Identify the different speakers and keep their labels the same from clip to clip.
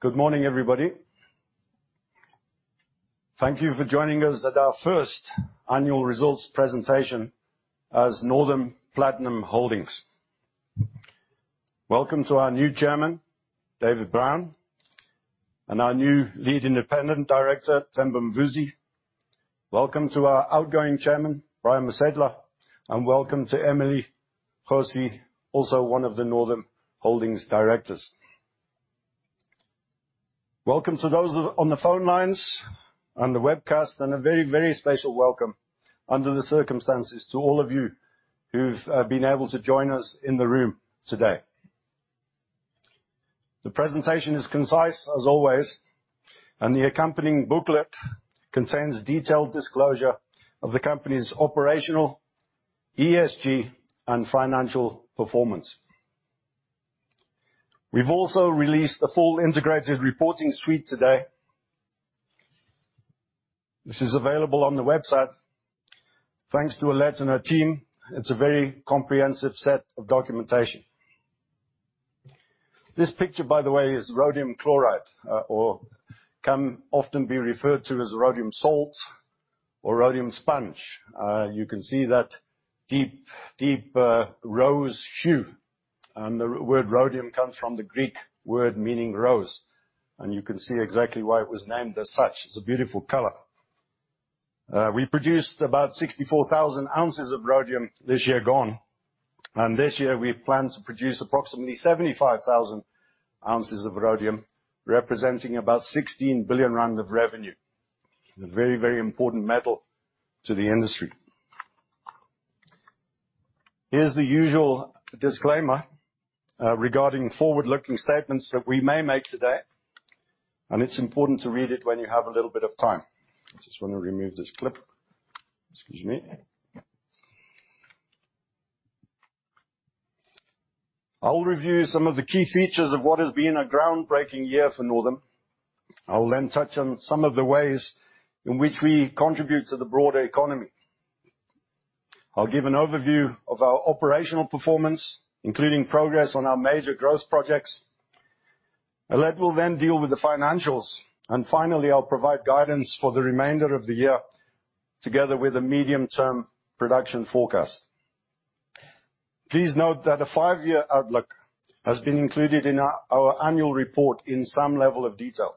Speaker 1: Good morning, everybody. Thank you for joining us at our first annual results presentation as Northam Platinum Holdings. Welcome to our new Chairman, David Brown, and our new Lead Independent Director, Themba Mvusi. Welcome to our outgoing Chairman, Brian Mosehla, and welcome to Emily Kgosi, also one of the Northam Holdings directors. Welcome to those on the phone lines and the webcast, and a very, very special welcome under the circumstances to all of you who've been able to join us in the room today. The presentation is concise as always, and the accompanying booklet contains detailed disclosure of the company's operational, ESG, and financial performance. We've also released a full integrated reporting suite today. This is available on the website. Thanks to Alet Coetzee and her team, it's a very comprehensive set of documentation. This picture, by the way, is rhodium chloride, or can often be referred to as rhodium salt or rhodium sponge. You can see that deep, deep rose hue. The word rhodium comes from the Greek word meaning rose, and you can see exactly why it was named as such. It's a beautiful color. We produced about 64,000 ounces of rhodium this year gone, and this year we have planned to produce approximately 75,000 ounces of rhodium, representing about 16 billion rand of revenue. A very, very important metal to the industry. Here's the usual disclaimer regarding forward-looking statements that we may make today, and it's important to read it when you have a little bit of time. I just want to remove this clip. Excuse me. I'll review some of the key features of what has been a groundbreaking year for Northam. I will then touch on some of the ways in which we contribute to the broader economy. I'll give an overview of our operational performance, including progress on our major growth projects. Alet will then deal with the financials, and finally, I'll provide guidance for the remainder of the year together with a medium-term production forecast. Please note that a five-year outlook has been included in our annual report in some level of detail.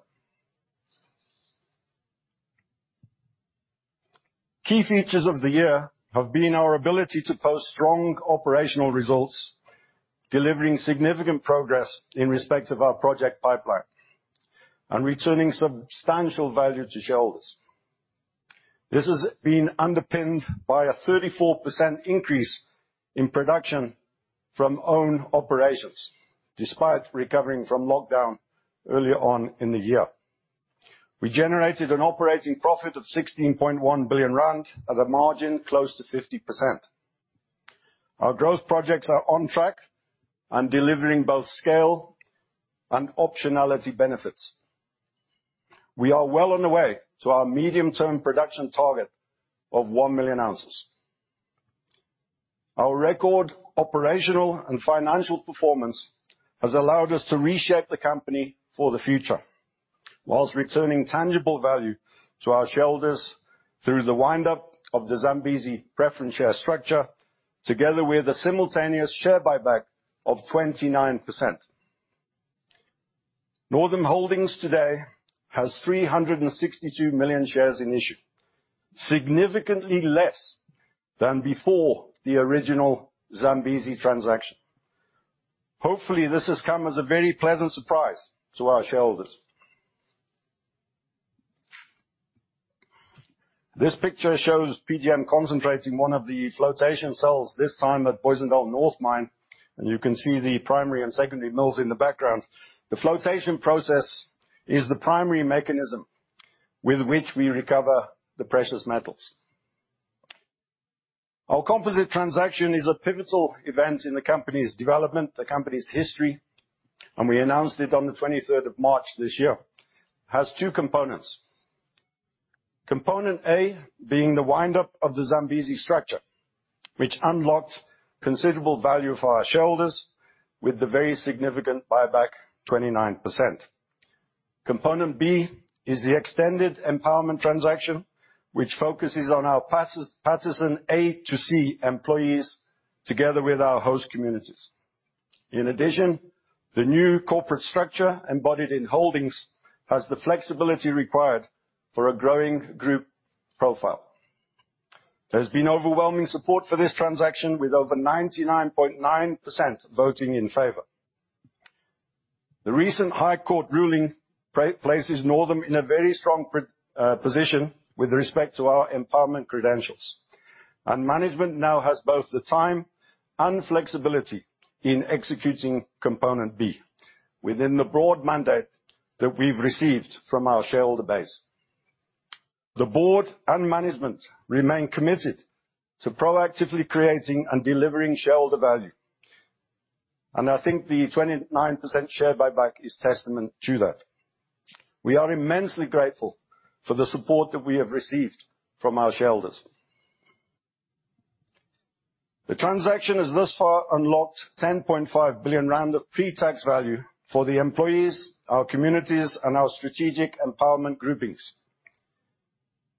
Speaker 1: Key features of the year have been our ability to post strong operational results, delivering significant progress in respect of our project pipeline and returning substantial value to shareholders. This has been underpinned by a 34% increase in production from owned operations, despite recovering from lockdown early on in the year. We generated an operating profit of 16.1 billion rand at a margin close to 50%. Our growth projects are on track and delivering both scale and optionality benefits. We are well on the way to our medium-term production target of one million ounces. Our record operational and financial performance has allowed us to reshape the company for the future whilst returning tangible value to our shareholders through the wind up of the Zambezi preference share structure, together with a simultaneous share buyback of 29%. Northam Holdings today has 362 million shares in issue, significantly less than before the original Zambezi transaction. Hopefully, this has come as a very pleasant surprise to our shareholders. This picture shows PGM concentrating one of the flotation cells, this time at Booysendal North mine, and you can see the primary and secondary mills in the background. The flotation process is the primary mechanism with which we recover the precious metals. Our composite transaction is a pivotal event in the company's development, the company's history, and we announced it on the March 23rd, this year. It has two components. Component A being the wind up of the Zambezi structure, which unlocked considerable value for our shareholders with the very significant buyback, 29%. Component B is the extended empowerment transaction, which focuses on our Paterson A-C employees together with our host communities. In addition, the new corporate structure embodied in Northam Holdings has the flexibility required for a growing group profile. There's been overwhelming support for this transaction with over 99.9% voting in favor. The recent High Court ruling places Northam in a very strong position with respect to our empowerment credentials, and management now has both the time and flexibility in executing component B within the broad mandate that we've received from our shareholder base. The board and management remain committed to proactively creating and delivering shareholder value, and I think the 29% share buyback is testament to that. We are immensely grateful for the support that we have received from our shareholders. The transaction has thus far unlocked 10.5 billion rand of pre-tax value for the employees, our communities, and our strategic empowerment groupings.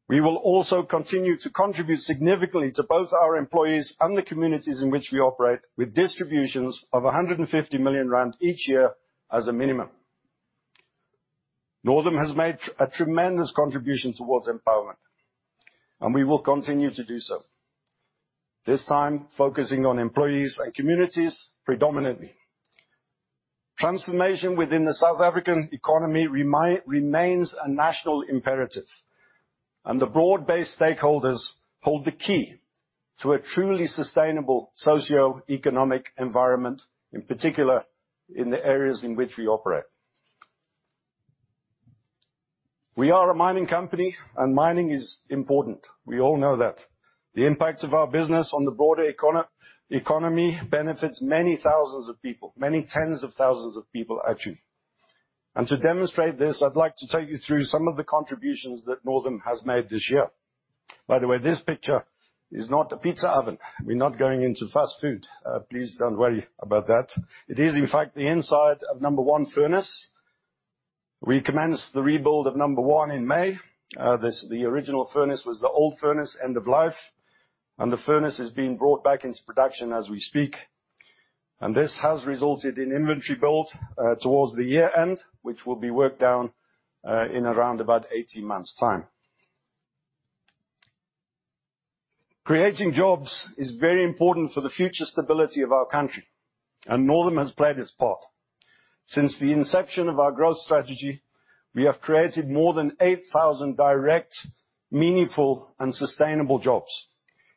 Speaker 1: We will also continue to contribute significantly to both our employees and the communities in which we operate, with distributions of 150 million rand each year as a minimum. Northam has made a tremendous contribution towards empowerment, and we will continue to do so, this time focusing on employees and communities predominantly. Transformation within the South African economy remains a national imperative, and the broad-based stakeholders hold the key to a truly sustainable socioeconomic environment, in particular, in the areas in which we operate. We are a mining company, and mining is important. We all know that. The impact of our business on the broader economy benefits many thousands of people, many tens of thousands of people actually. To demonstrate this, I'd like to take you through some of the contributions that Northam has made this year. By the way, this picture is not a pizza oven. We're not going into fast food. Please don't worry about that. It is, in fact, the inside of number one furnace. We commenced the rebuild of number one in May. The original furnace was the old furnace, end of life. The furnace is being brought back into production as we speak. This has resulted in inventory build towards the year-end, which will be worked down in around about 18 months' time. Creating jobs is very important for the future stability of our country. Northam has played its part. Since the inception of our growth strategy, we have created more than 8,000 direct, meaningful, and sustainable jobs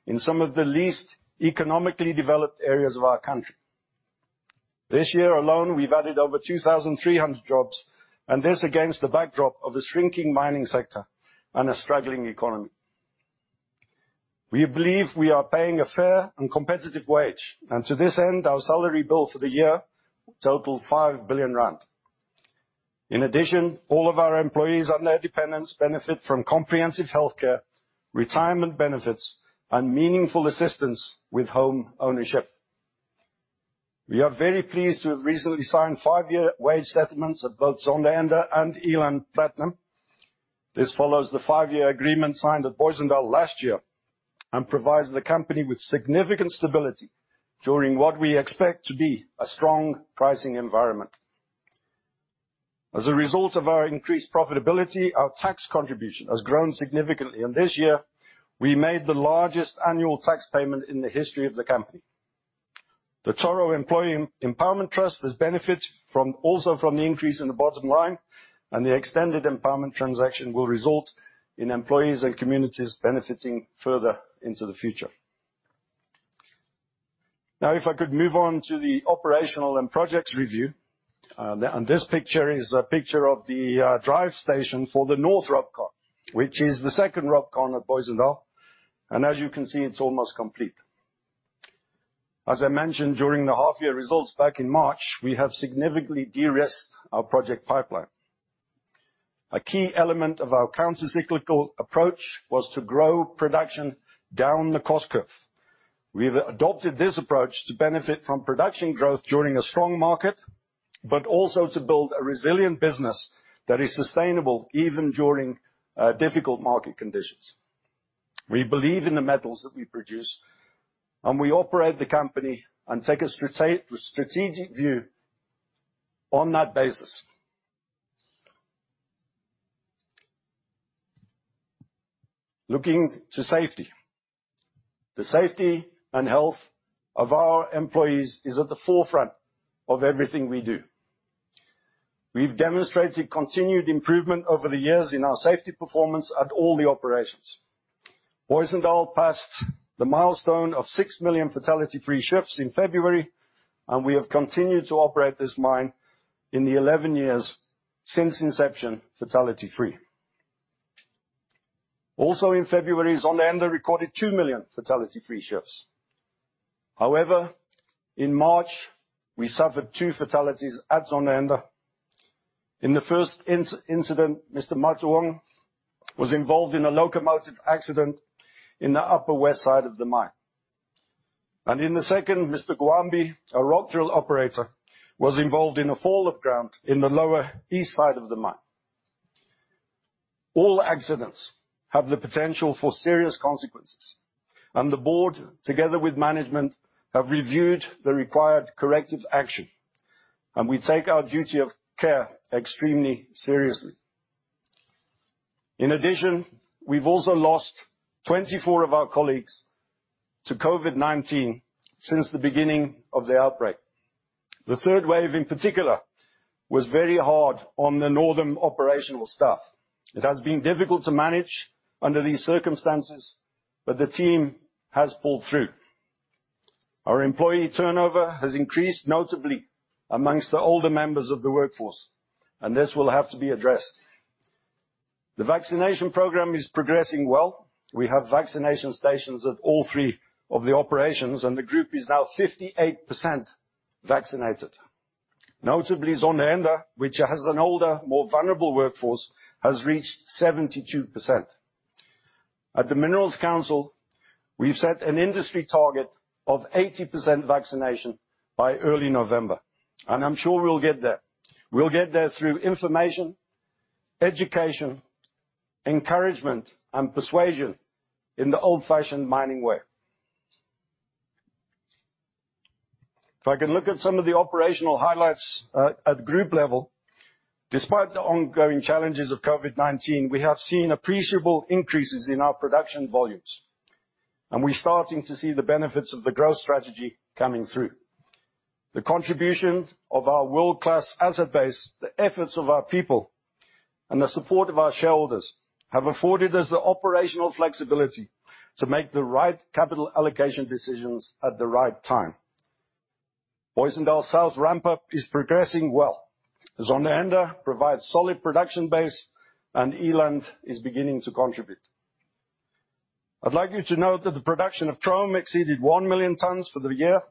Speaker 1: in some of the least economically developed areas of our country. This year alone, we've added over 2,300 jobs, this against the backdrop of a shrinking mining sector and a struggling economy. We believe we are paying a fair and competitive wage. To this end, our salary bill for the year total 5 billion rand. In addition, all of our employees and their dependents benefit from comprehensive healthcare, retirement benefits, and meaningful assistance with homeownership. We are very pleased to have recently signed five-year wage settlements at both Zondereinde and Eland Platinum. This follows the five-year agreement signed at Booysendal last year and provides the company with significant stability during what we expect to be a strong pricing environment. As a result of our increased profitability, our tax contribution has grown significantly, and this year we made the largest annual tax payment in the history of the company. The Toro Employee Empowerment Trust has benefited also from the increase in the bottom line, and the extended empowerment transaction will result in employees and communities benefiting further into the future. Now, if I could move on to the operational and projects review. This picture is a picture of the drive station for the North RopeCon, which is the second RopeCon at Booysendal, and as you can see, it's almost complete. As I mentioned during the half-year results back in March, we have significantly de-risked our project pipeline. A key element of our countercyclical approach was to grow production down the cost curve. We've adopted this approach to benefit from production growth during a strong market, but also to build a resilient business that is sustainable even during difficult market conditions. We believe in the metals that we produce, and we operate the company and take a strategic view on that basis. Looking to safety. The safety and health of our employees is at the forefront of everything we do. We've demonstrated continued improvement over the years in our safety performance at all the operations. Booysendal passed the milestone of six million fatality-free shifts in February. We have continued to operate this mine in the 11 years since inception, fatality free. Also in February, Zondereinde recorded two million fatality-free shifts. In March, we suffered two fatalities at Zondereinde. In the first incident, Mr. Matuwang was involved in a locomotive accident in the upper west side of the mine. In the second, Mr. Gwambi, a rock drill operator, was involved in a fall of ground in the lower east side of the mine. All accidents have the potential for serious consequences. The board, together with management, have reviewed the required corrective action. We take our duty of care extremely seriously. In addition, we've also lost 24 of our colleagues to COVID-19 since the beginning of the outbreak. The third wave, in particular, was very hard on the Northam operational staff. It has been difficult to manage under these circumstances, but the team has pulled through. Our employee turnover has increased, notably amongst the older members of the workforce, and this will have to be addressed. The vaccination program is progressing well. We have vaccination stations at all three of the operations, and the group is now 58% vaccinated. Notably, Zondereinde, which has an older, more vulnerable workforce, has reached 72%. At the Minerals Council South Africa, we've set an industry target of 80% vaccination by early November, and I'm sure we'll get there. We'll get there through information, education, encouragement, and persuasion in the old-fashioned mining way. If I can look at some of the operational highlights at group level. Despite the ongoing challenges of COVID-19, we have seen appreciable increases in our production volumes, and we're starting to see the benefits of the growth strategy coming through. The contribution of our world-class asset base, the efforts of our people, and the support of our shareholders have afforded us the operational flexibility to make the right capital allocation decisions at the right time. Booysendal South ramp-up is progressing well. Zondereinde provides solid production base, and Eland is beginning to contribute. I'd like you to note that the production of chrome exceeded one million tons for the year.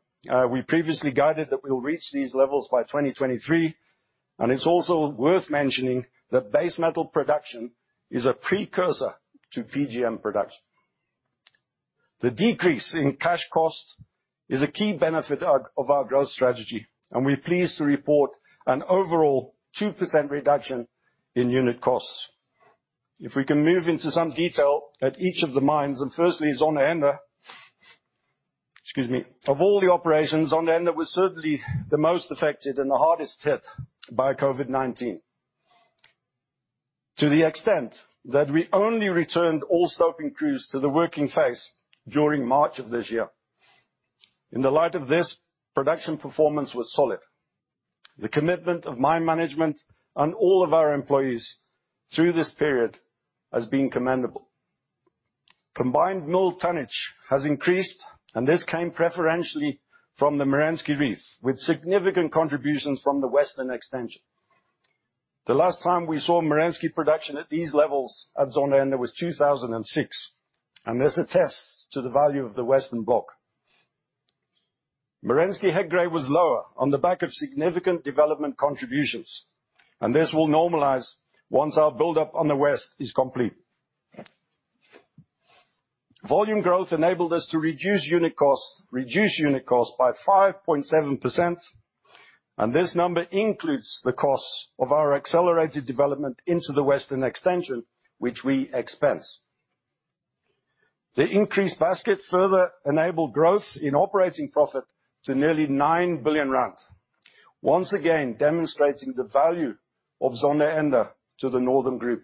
Speaker 1: We previously guided that we'll reach these levels by 2023. It's also worth mentioning that base metal production is a precursor to PGM production. The decrease in cash cost is a key benefit of our growth strategy, and we're pleased to report an overall 2% reduction in unit costs. If we can move into some detail at each of the mines, and firstly, Zondereinde. Excuse me. Of all the operations, Zondereinde was certainly the most affected and the hardest hit by COVID-19, to the extent that we only returned all stoping crews to the working face during March of this year. In the light of this, production performance was solid. The commitment of mine management and all of our employees through this period has been commendable. Combined mill tonnage has increased. This came preferentially from the Merensky Reef, with significant contributions from the Western Extension. The last time we saw Merensky production at these levels at Zondereinde was 2006. This attests to the value of the western block. Merensky head grade was lower on the back of significant development contributions. This will normalize once our buildup on the west is complete. Volume growth enabled us to reduce unit cost by 5.7%. This number includes the cost of our accelerated development into the Western Extension, which we expense. The increased basket further enabled growth in operating profit to nearly 9 billion rand. Once again, demonstrating the value of Zondereinde to the Northam Group.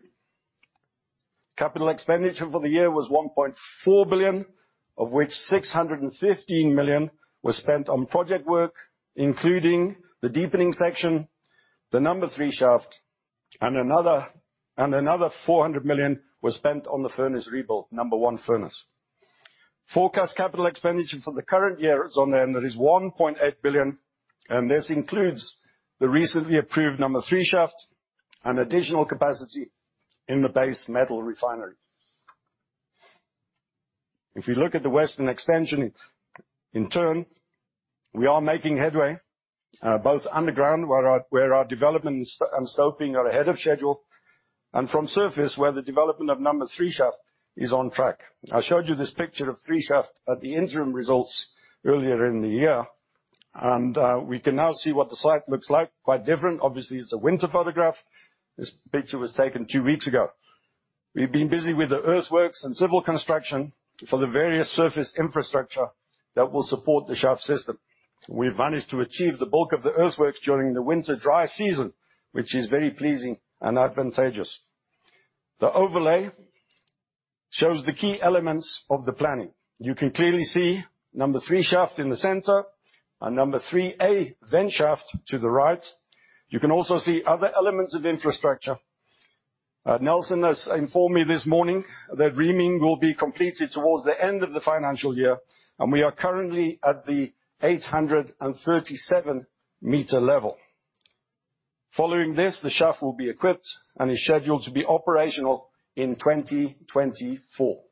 Speaker 1: Capital expenditure for the year was 1.4 billion, of which 615 million was spent on project work, including the deepening section, the Number Three Shaft, and another 400 million was spent on the furnace rebuild, Number One Furnace. Forecast capital expenditure for the current year at Zondereinde is 1.8 billion. This includes the recently approved Number Three Shaft and additional capacity in the base metal refinery. If you look at the Western Extension in turn, we are making headway, both underground, where our development and stoping are ahead of schedule, and from surface, where the development of number three shaft is on track. I showed you this picture of three shaft at the interim results earlier in the year. We can now see what the site looks like. Quite different. Obviously, it's a winter photograph. This picture was taken two weeks ago. We've been busy with the earthworks and civil construction for the various surface infrastructure that will support the shaft system. We've managed to achieve the bulk of the earthworks during the winter dry season, which is very pleasing and advantageous. The overlay shows the key elements of the planning. You can clearly see number three shaft in the center and number 3A vent shaft to the right. You can also see other elements of infrastructure. Nelson has informed me this morning that reaming will be completed towards the end of the financial year, and we are currently at the 837-meter level. Following this, the shaft will be equipped and is scheduled to be operational in 2024.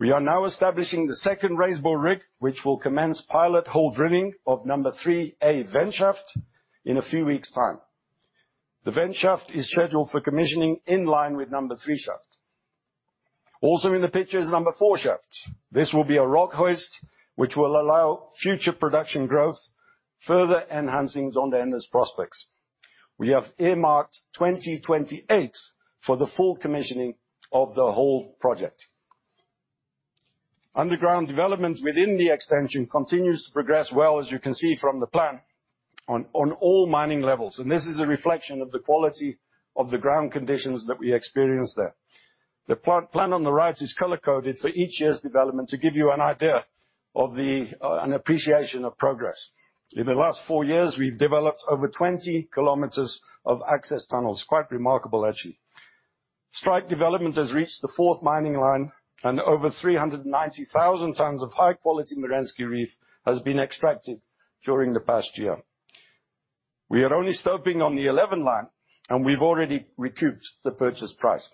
Speaker 1: We are now establishing the second raise bore rig, which will commence pilot hole drilling of number 3A vent shaft in a few weeks' time. The vent shaft is scheduled for commissioning in line with number three shaft. Also in the picture is Number Four Shaft. This will be a rock hoist, which will allow future production growth, further enhancing Zondereinde's prospects. We have earmarked 2028 for the full commissioning of the whole project. Underground development within the extension continues to progress well, as you can see from the plan, on all mining levels. This is a reflection of the quality of the ground conditions that we experience there. The plan on the right is color-coded for each year's development to give you an idea of the an appreciation of progress. In the last four years, we've developed over 20 kilometers of access tunnels. Quite remarkable, actually. Strike development has reached the fourth mining line. Over 390,000 tons of high-quality Merensky Reef has been extracted during the past year. We are only stoping on the 11 line. We've already recouped the purchase price.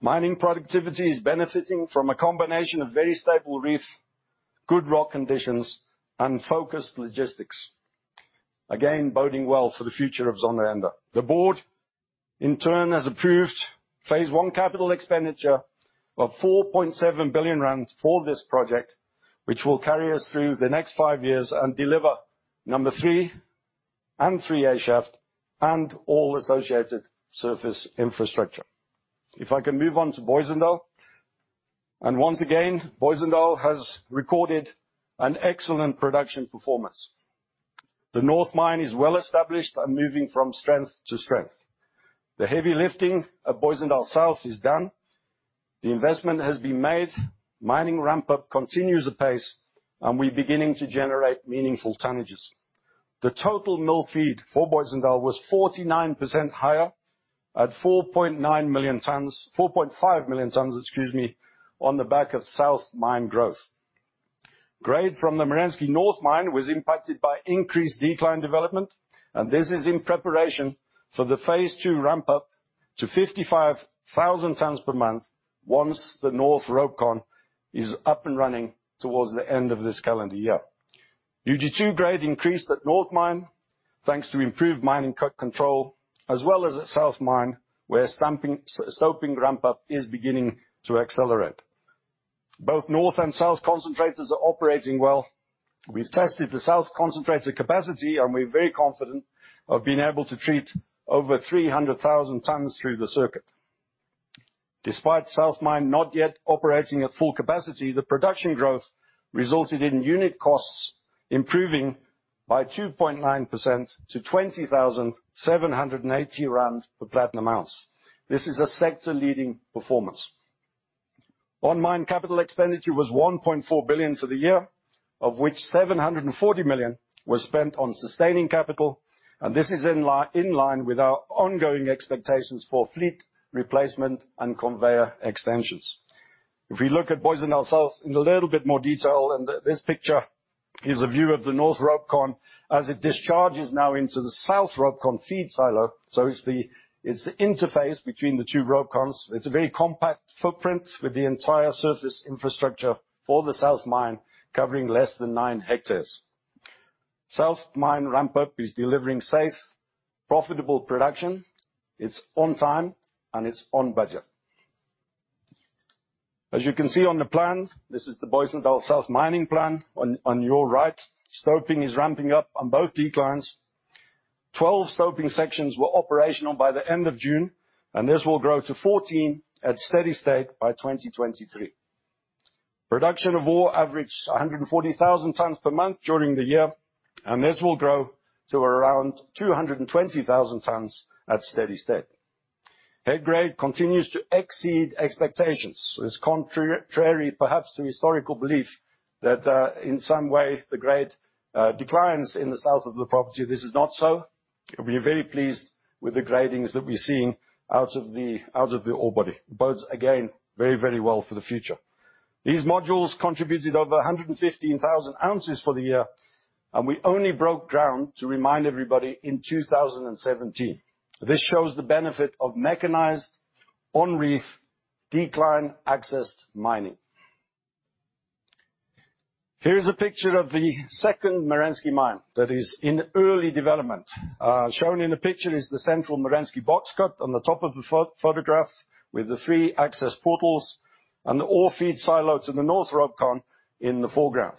Speaker 1: Mining productivity is benefiting from a combination of very stable reef, good rock conditions, and focused logistics. Again, boding well for the future of Zondereinde. The board, in turn, has approved phase one capital expenditure of 4.7 billion rand for this project, which will carry us through the next five years and deliver Number Three and 3A Shaft, and all associated surface infrastructure. If I can move on to Booysendal. Once again, Booysendal has recorded an excellent production performance. The North Mine is well established and moving from strength to strength. The heavy lifting at Booysendal South is done. The investment has been made. Mining ramp-up continues apace, and we're beginning to generate meaningful tonnages. The total mill feed for Booysendal was 49% higher at 4.9 million tons, 4.5 million tons, excuse me, on the back of South Mine growth. Grade from the Merensky North Mine was impacted by increased decline development. This is in preparation for the phase II ramp-up to 55,000 tons per month once the North RopeCon is up and running towards the end of this calendar year. UG2 grade increased at North Mine, thanks to improved mining cut control, as well as at South Mine, where stoping ramp-up is beginning to accelerate. Both North and South concentrators are operating well. We've tested the South concentrator capacity. We're very confident of being able to treat over 300,000 tons through the circuit. Despite South Mine not yet operating at full capacity, the production growth resulted in unit costs improving by 2.9% to 20,780 rand per platinum ounce. This is a sector-leading performance. On-mine capital expenditure was 1.4 billion for the year, of which 740 million was spent on sustaining capital. This is in line with our ongoing expectations for fleet replacement and conveyor extensions. If we look at Booysendal South in a little bit more detail, this picture is a view of the North RopeCon as it discharges now into the South RopeCon feed silo. It's the interface between the two RopeCons. It's a very compact footprint with the entire surface infrastructure for the South Mine covering less than nini hectares. South Mine ramp-up is delivering safe, profitable production. It's on time, it's on budget. As you can see on the plan, this is the Booysendal South mining plan on your right. Stoping is ramping up on both declines. 12 stoping sections were operational by the end of June. This will grow to 14 at steady state by 2023. Production of ore averaged 140,000 tons per month during the year. This will grow to around 220,000 tons at steady state. Head grade continues to exceed expectations, as contrary perhaps to historical belief that, in some way, the grade declines in the sales of the property. This is not so. We're very pleased with the gradings that we're seeing out of the ore body. Bodes, again, very well for the future. These modules contributed over 115,000 ounces for the year. We only broke ground, to remind everybody, in 2017. This shows the benefit of mechanized on-reef decline accessed mining. Here is a picture of the second Merensky mine that is in early development. Shown in the picture is the central Merensky box cut on the top of the photograph with the three access portals and the ore feed silo to the north RopeCon in the foreground.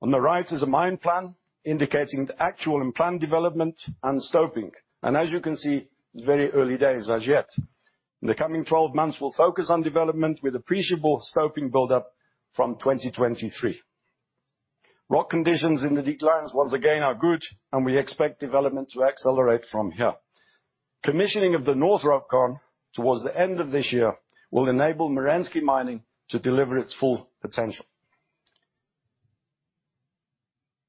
Speaker 1: On the right is a mine plan indicating the actual and planned development and stoping. As you can see, it's very early days as yet. In the coming 12 months, we'll focus on development with appreciable stoping buildup from 2023. Rock conditions in the declines, once again, are good, and we expect development to accelerate from here. Commissioning of the north RopeCon towards the end of this year will enable Merensky mining to deliver its full potential.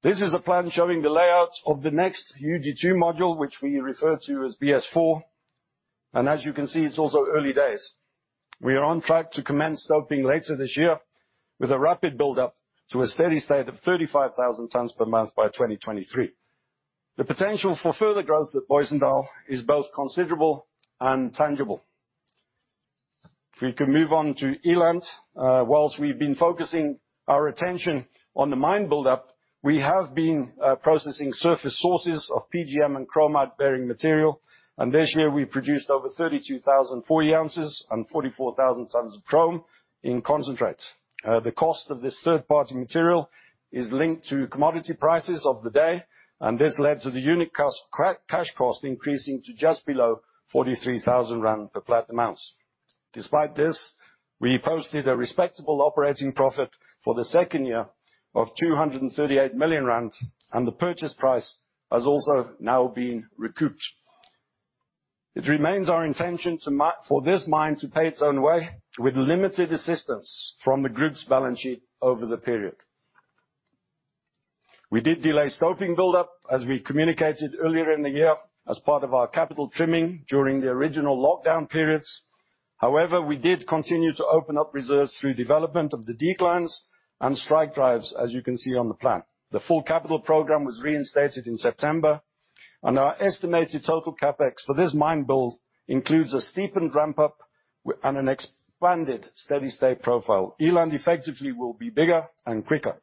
Speaker 1: This is a plan showing the layout of the next UG2 module, which we refer to as BS4. As you can see, it's also early days. We are on track to commence stoping later this year with a rapid buildup to a steady state of 35,000 tons per month by 2023. The potential for further growth at Booysendal is both considerable and tangible. If we can move on to Eland. Whilst we've been focusing our attention on the mine buildup, we have been processing surface sources of PGM and chromite-bearing material, and this year we produced over 32,040 ounces and 44,000 tons of chrome in concentrate. The cost of this third-party material is linked to commodity prices of the day, and this led to the unit cash cost increasing to just below 43,000 rand per platinum ounce. Despite this, we posted a respectable operating profit for the second year of 238 million rand, and the purchase price has also now been recouped. It remains our intention for this mine to pay its own way with limited assistance from the group's balance sheet over the period. We did delay stoping buildup, as we communicated earlier in the year, as part of our capital trimming during the original lockdown periods. We did continue to open up reserves through development of the declines and strike drives, as you can see on the plan. The full capital program was reinstated in September. Our estimated total CapEx for this mine build includes a steepened ramp-up and an expanded steady-state profile. Eland effectively will be bigger and quicker.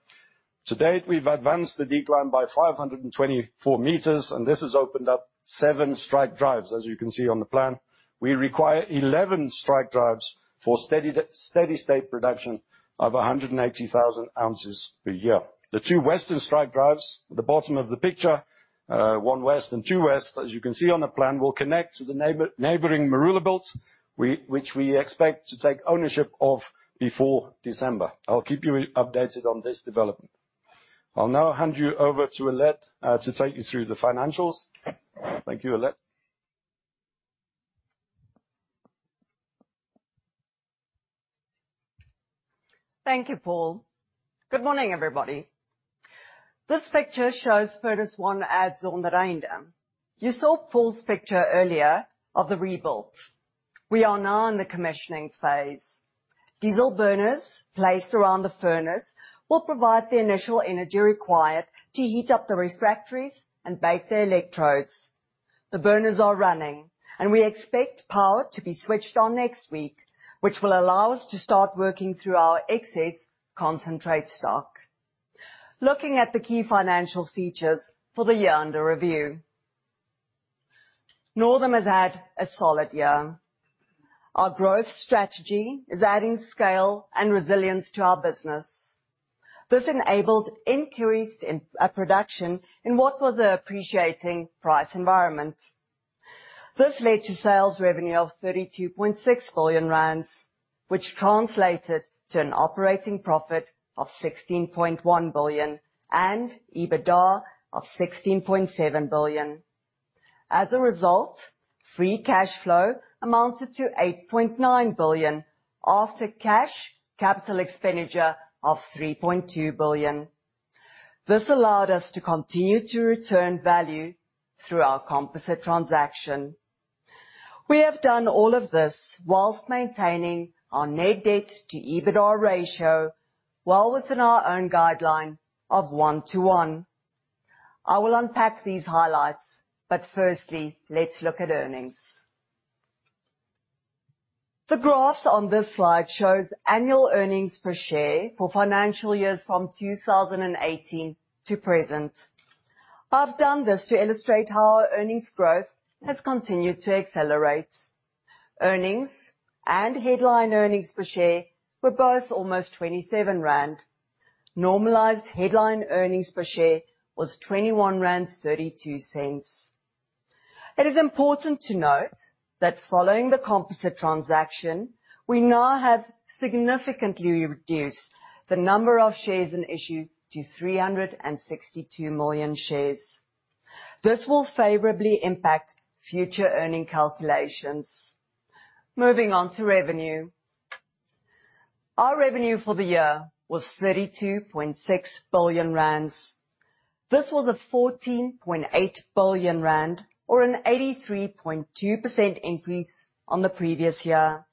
Speaker 1: To date, we've advanced the decline by 524 meters, and this has opened up seven strike drives, as you can see on the plan. We require 11 strike drives for steady-state production of 180,000 ounces per year. The two western strike drives at the bottom of the picture, one west and two west, as you can see on the plan, will connect to the neighboring Maroelabult, which we expect to take ownership of before December. I'll keep you updated on this development. I'll now hand you over to Alet to take you through the financials. Thank you, Alet.
Speaker 2: Thank you, Paul. Good morning, everybody. This picture shows Furnace One at Zondereinde. You saw Paul's picture earlier of the rebuild. We are now in the commissioning phase. Diesel burners placed around the furnace will provide the initial energy required to heat up the refractories and bake the electrodes. The burners are running, we expect power to be switched on next week, which will allow us to start working through our excess concentrate stock. Looking at the key financial features for the year under review. Northam has had a solid year. Our growth strategy is adding scale and resilience to our business. This enabled increased production in what was an appreciating price environment. This led to sales revenue of 32.6 billion rand, which translated to an operating profit of 16.1 billion and EBITDA of 16.7 billion. As a result, free cash flow amounted to 8.9 billion after cash capital expenditure of 3.2 billion. This allowed us to continue to return value through our composite transaction. We have done all of this whilst maintaining our net debt to EBITDA ratio, well within our own guideline of 1-to-1. I will unpack these highlights, but firstly, let's look at earnings. The graphs on this slide shows annual earnings per share for financial years from 2018 to present. I've done this to illustrate how our earnings growth has continued to accelerate. Earnings and headline earnings per share were both almost 27 rand. Normalized headline earnings per share was 21.32 rand. It is important to note that following the composite transaction, we now have significantly reduced the number of shares in issue to 362 million shares. This will favorably impact future earning calculations. Moving on to revenue. Our revenue for the year was 32.6 billion rand. This was a 14.8 billion rand or an 83.2% increase on the previous year.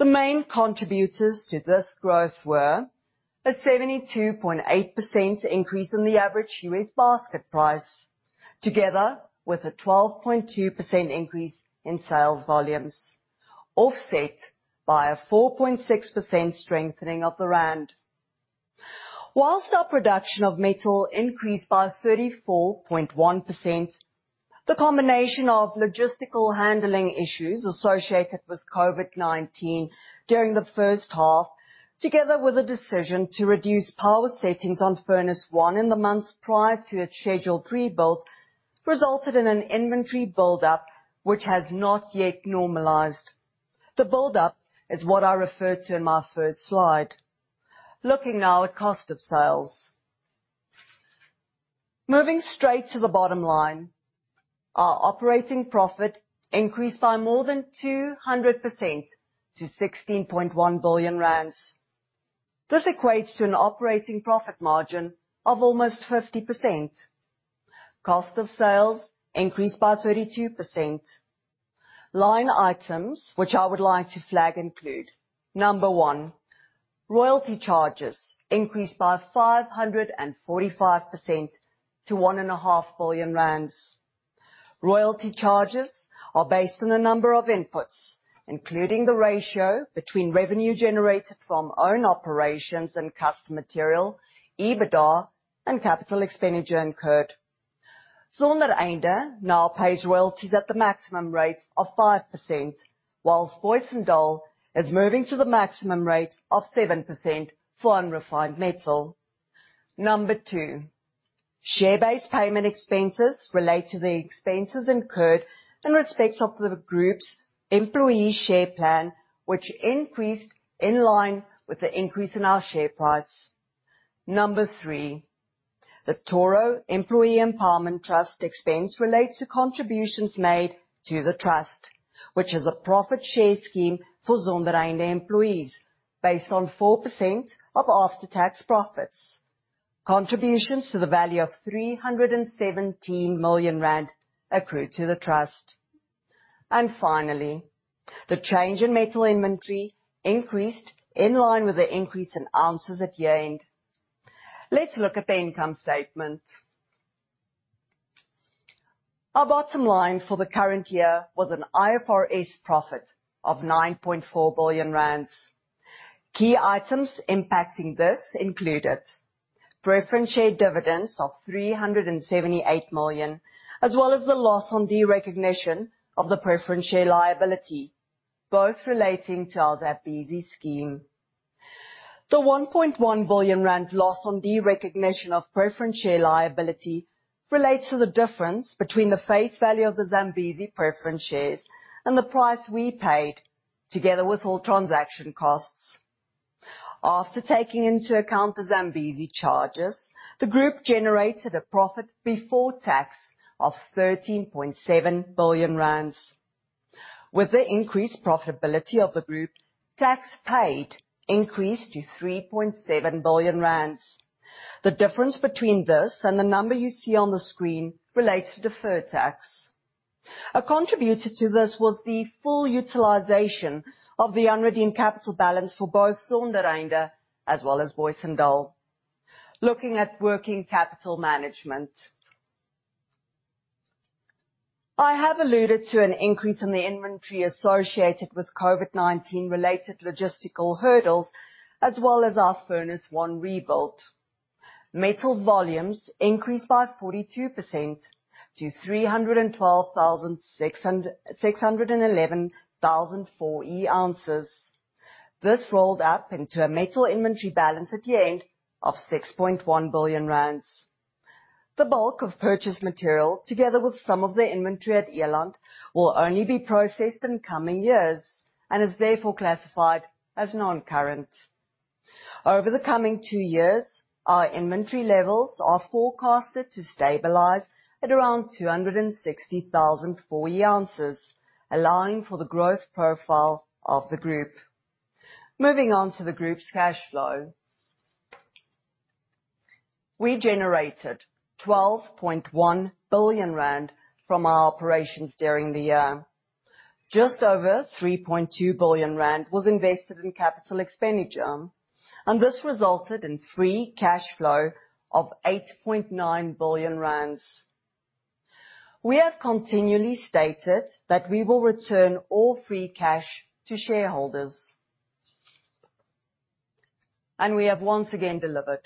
Speaker 2: The main contributors to this growth were a 72.8% increase in the average US basket price, together with a 12.2% increase in sales volumes, offset by a 4.6% strengthening of the ZAR. Whilst our production of metal increased by 34.1%, the combination of logistical handling issues associated with COVID-19 during the first half, together with a decision to reduce power settings on number one furnace in the months prior to its Schedule Three build, resulted in an inventory buildup, which has not yet normalized. The buildup is what I referred to in my first slide. Looking now at cost of sales. Moving straight to the bottom line, our operating profit increased by more than 200% to 16.1 billion rand. This equates to an operating profit margin of almost 50%. Cost of sales increased by 32%. Line items, which I would like to flag include, number one, royalty charges increased by 545% to one and a half billion ZAR. Royalty charges are based on a number of inputs, including the ratio between revenue generated from own operations and customer material, EBITDA, and capital expenditure incurred. Zondereinde now pays royalties at the maximum rate of 5%, whilst Booysendal is moving to the maximum rate of 7% for unrefined metal. Number two, share-based payment expenses relate to the expenses incurred in respect of the group's employee share plan, which increased in line with the increase in our share price. Number three, the Toro Employee Empowerment Trust expense relates to contributions made to the trust, which is a profit share scheme for Zondereinde employees based on 4% of after-tax profits. Contributions to the value of 317 million rand accrue to the trust. Finally, the change in metal inventory increased in line with the increase in ounces at year-end. Let's look at the income statement. Our bottom line for the current year was an IFRS profit of 9.4 billion rand. Key items impacting this included preference share dividends of 378 million, as well as the loss on derecognition of the preference share liability, both relating to our Zambezi scheme. The 1.1 billion rand loss on derecognition of preference share liability relates to the difference between the face value of the Zambezi preference shares and the price we paid together with all transaction costs. After taking into account the Zambezi charges, the group generated a profit before tax of 13.7 billion rand. With the increased profitability of the group, tax paid increased to 3.7 billion rand. The difference between this and the number you see on the screen relates to deferred tax. A contributor to this was the full utilization of the unredeemed capital balance for both Zondereinde as well as Booysendal. Looking at working capital management. I have alluded to an increase in the inventory associated with COVID-19 related logistical hurdles, as well as our furnace one rebuild. Metal volumes increased by 42% to 312,611,000 4E ounces. This rolled up into a metal inventory balance at year-end of 6.1 billion rand. The bulk of purchased material, together with some of the inventory at Eland, will only be processed in coming years and is therefore classified as non-current. Over the coming two years, our inventory levels are forecasted to stabilize at around 260,004 4E ounces, allowing for the growth profile of the group. Moving on to the group's cash flow. We generated 12.1 billion rand from our operations during the year. Just over 3.2 billion rand was invested in capital expenditure, and this resulted in free cash flow of 8.9 billion rand. We have continually stated that we will return all free cash to shareholders. We have once again delivered.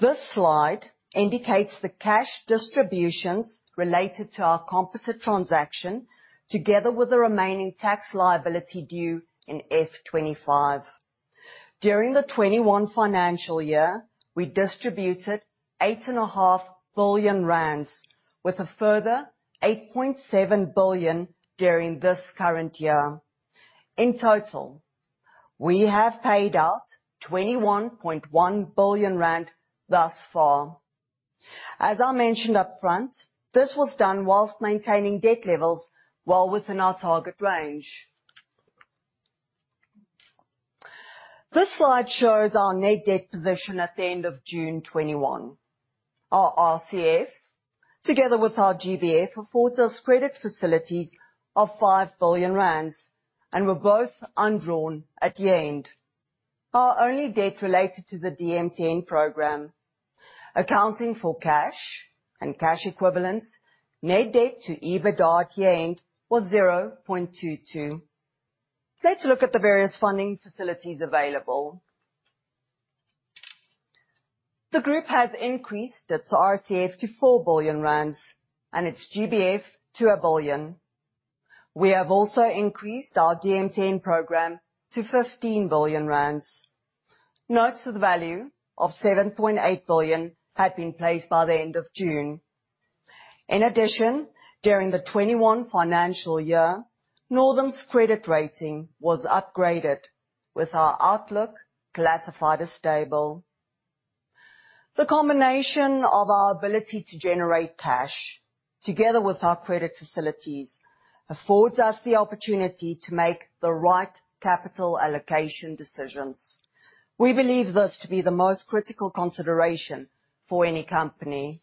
Speaker 2: This slide indicates the cash distributions related to our composite transaction together with the remaining tax liability due in F25. During the 2021 financial year, we distributed 8.5 billion rand with a further 8.7 billion during this current year. In total, we have paid out 21.1 billion rand thus far. As I mentioned upfront, this was done whilst maintaining debt levels well within our target range. This slide shows our net debt position at the end of June 2021. Our RCF, together with our GBF, affords us credit facilities of 5 billion rand and were both undrawn at year-end. Our only debt related to the DMTN program. Accounting for cash and cash equivalents, net debt to EBITDA at year-end was 0.22. Let's look at the various funding facilities available. The group has increased its RCF to 4 billion rand and its GBF to 1 billion. We have also increased our DMTN program to 15 billion rand. Note to the value of 7.8 billion had been placed by the end of June. In addition, during the 2021 financial year, Northam's credit rating was upgraded with our outlook classified as stable. The combination of our ability to generate cash together with our credit facilities affords us the opportunity to make the right capital allocation decisions. We believe this to be the most critical consideration for any company.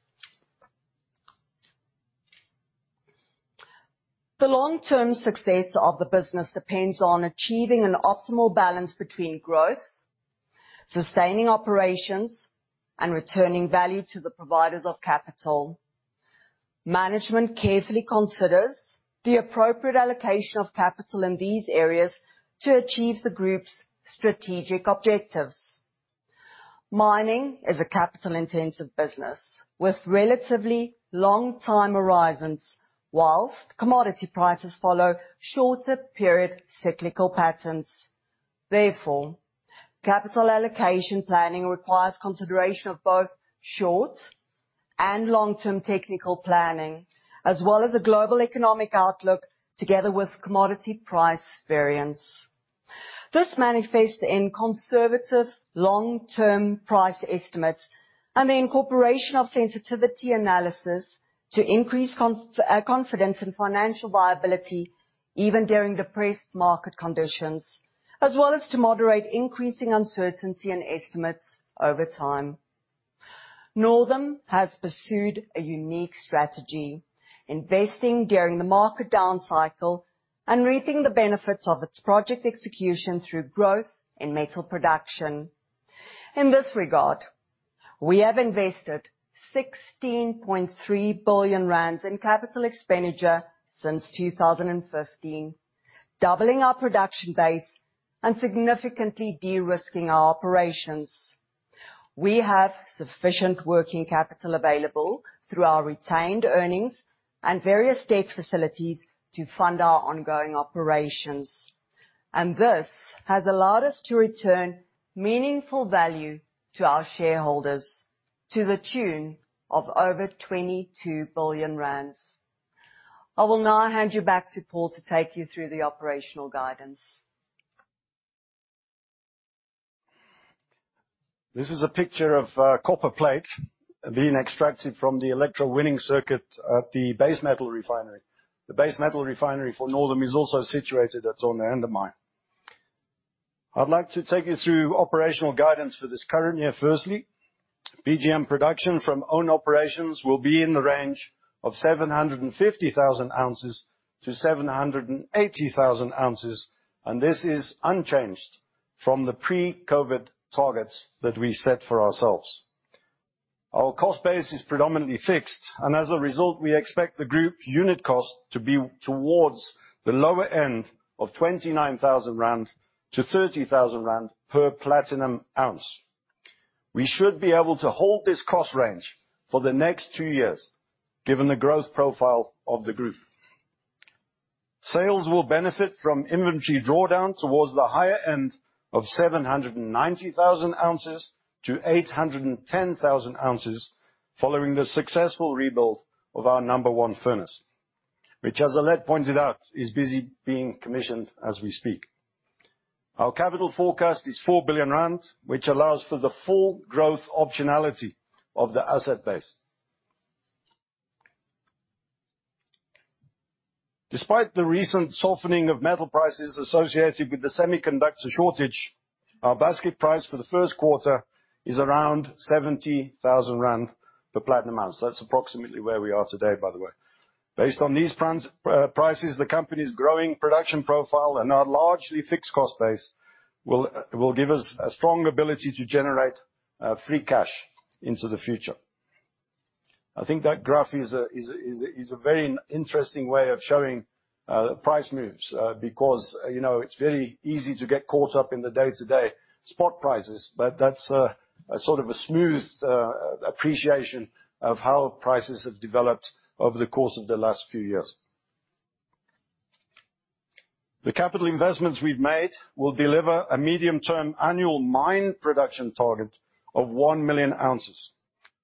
Speaker 2: The long-term success of the business depends on achieving an optimal balance between growth, sustaining operations, and returning value to the providers of capital. Management carefully considers the appropriate allocation of capital in these areas to achieve the group's strategic objectives. Mining is a capital-intensive business with relatively long time horizons, whilst commodity prices follow shorter period cyclical patterns. Therefore, capital allocation planning requires consideration of both short and long-term technical planning, as well as a global economic outlook together with commodity price variance. This manifests in conservative long-term price estimates and the incorporation of sensitivity analysis to increase confidence in financial viability even during depressed market conditions, as well as to moderate increasing uncertainty in estimates over time. Northam has pursued a unique strategy, investing during the market down cycle and reaping the benefits of its project execution through growth in metal production. In this regard, we have invested 16.3 billion rand in capital expenditure since 2015, doubling our production base and significantly de-risking our operations. We have sufficient working capital available through our retained earnings and various debt facilities to fund our ongoing operations. This has allowed us to return meaningful value to our shareholders to the tune of over 22 billion rand. I will now hand you back to Paul to take you through the operational guidance.
Speaker 1: This is a picture of a copper plate being extracted from the electrowinning circuit at the base metal refinery. The base metal refinery for Northam is also situated at Zondereinde Mine. I'd like to take you through operational guidance for this current year. Firstly, PGM production from own operations will be in the range of 750,000-780,000 ounces, and this is unchanged from the pre-COVID targets that we set for ourselves. Our cost base is predominantly fixed, and as a result, we expect the group unit cost to be towards the lower end of 29,000-30,000 rand per platinum ounce. We should be able to hold this cost range for the next 2 years, given the growth profile of the group. Sales will benefit from inventory drawdown towards the higher end of 790,000 ounces-810,000 ounces, following the successful rebuild of our number one furnace, which as Alet pointed out, is busy being commissioned as we speak. Our capital forecast is 4 billion rand, which allows for the full growth optionality of the asset base. Despite the recent softening of metal prices associated with the semiconductor shortage, our basket price for the first quarter is around 70,000 rand per platinum ounce. That's approximately where we are today, by the way. Based on these prices, the company's growing production profile and our largely fixed cost base will give us a strong ability to generate free cash into the future. I think that graph is a very interesting way of showing price moves, because it's very easy to get caught up in the day-to-day spot prices, but that's a sort of a smooth appreciation of how prices have developed over the course of the last few years. The capital investments we've made will deliver a medium-term annual mine production target of 1 million ounces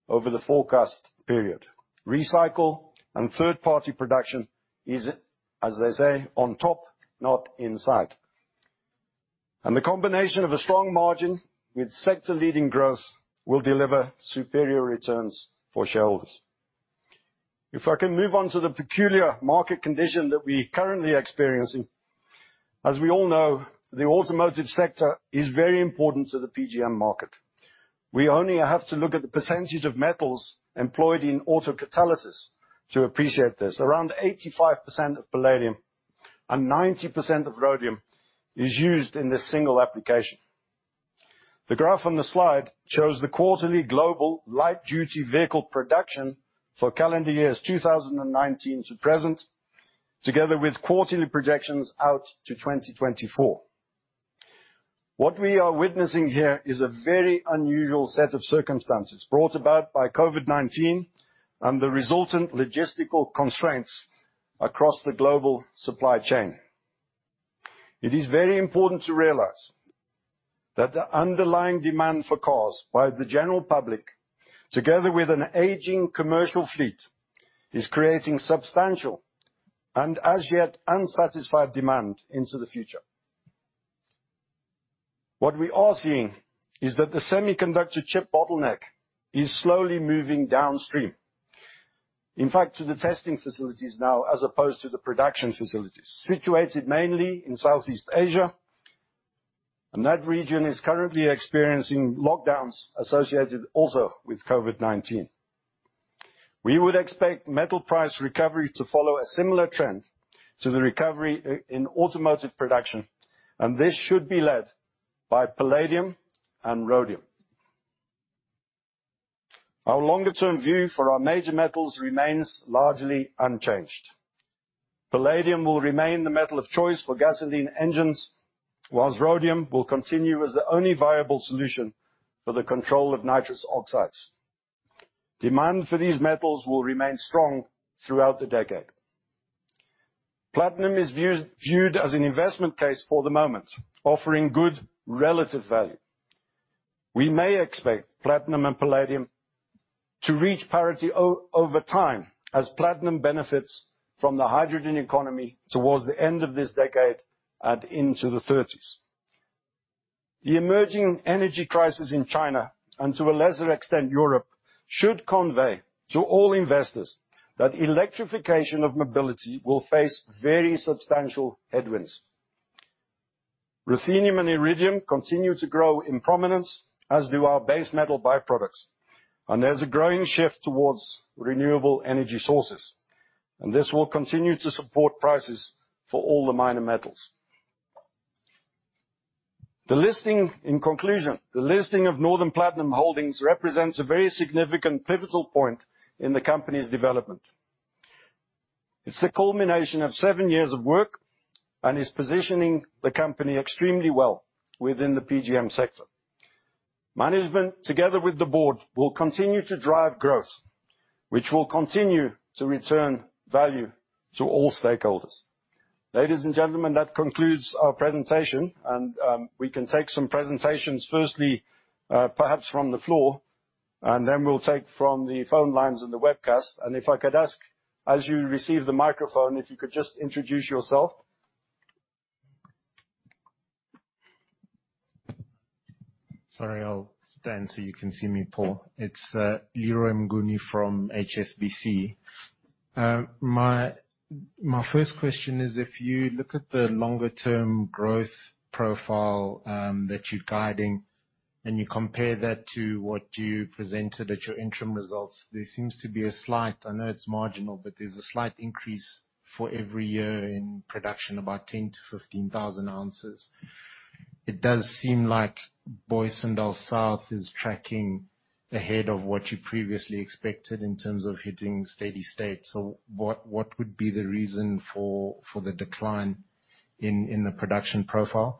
Speaker 1: over the forecast period. Recycle and third-party production is, as they say, on top, not inside. The combination of a strong margin with sector-leading growth will deliver superior returns for shareholders. If I can move on to the peculiar market condition that we're currently experiencing. As we all know, the automotive sector is very important to the PGM market. We only have to look at the percentage of metals employed in autocatalysis to appreciate this. Around 85% of palladium and 90% of rhodium is used in this single application. The graph on the slide shows the quarterly global light-duty vehicle production for calendar years 2019 to present, together with quarterly projections out to 2024. What we are witnessing here is a very unusual set of circumstances brought about by COVID-19 and the resultant logistical constraints across the global supply chain. It is very important to realize that the underlying demand for cars by the general public, together with an aging commercial fleet, is creating substantial and as yet unsatisfied demand into the future. What we are seeing is that the semiconductor chip bottleneck is slowly moving downstream. In fact, to the testing facilities now as opposed to the production facilities, situated mainly in Southeast Asia, and that region is currently experiencing lockdowns associated also with COVID-19. We would expect metal price recovery to follow a similar trend to the recovery in automotive production, and this should be led by palladium and rhodium. Our longer-term view for our major metals remains largely unchanged. Palladium will remain the metal of choice for gasoline engines, whilst rhodium will continue as the only viable solution for the control of nitrogen oxides. Demand for these metals will remain strong throughout the decade. Platinum is viewed as an investment case for the moment, offering good relative value. We may expect platinum and palladium to reach parity over time as platinum benefits from the hydrogen economy towards the end of this decade and into the '30s. The emerging energy crisis in China, and to a lesser extent Europe, should convey to all investors that electrification of mobility will face very substantial headwinds. Ruthenium and iridium continue to grow in prominence, as do our base metal byproducts. There's a growing shift towards renewable energy sources, and this will continue to support prices for all the minor metals. In conclusion, the listing of Northam Platinum Holdings represents a very significant pivotal point in the company's development. It's the culmination of seven years of work and is positioning the company extremely well within the PGM sector. Management, together with the board, will continue to drive growth, which will continue to return value to all stakeholders. Ladies and gentlemen, that concludes our presentation. We can take some presentations, firstly, perhaps from the floor, then we'll take from the phone lines and the webcast. If I could ask, as you receive the microphone, if you could just introduce yourself.
Speaker 3: Sorry, I'll stand so you can see me, Paul. It's Leroy Mnguni from HSBC. My first question is, if you look at the longer term growth profile that you're guiding, you compare that to what you presented at your interim results, there seems to be a slight, I know it's marginal, but there's a slight increase for every year in production, about 10,000-15,000 ounces. It does seem like Booysendal South is tracking ahead of what you previously expected in terms of hitting steady state. What would be the reason for the decline in the production profile?